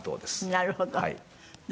なるほどね。